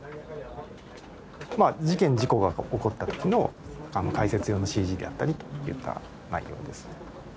まあ事件・事故が起こった時の解説用のＣＧであったりといった内容ですね。